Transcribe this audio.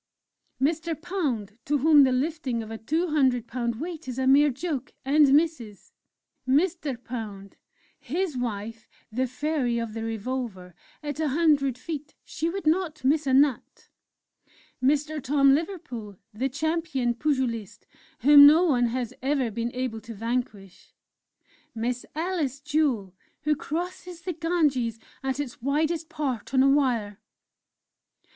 "Mr. Pound to whom the lifting of a two hundred pound weight is a mere joke, and Mrs. "Mr. Pound, his wife, the 'Fairy of the Revolver' at 100 feet she would not miss a nut!... "Mr. Tom Liverpool, the Champion Pugilist, whom no one has ever been able to vanquish! "Miss Alice Jewel, who crosses the Ganges at its widest part on a Wire!"...